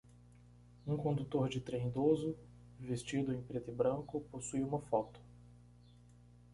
Um condutor de trem idoso? vestido em preto e branco? possui uma foto.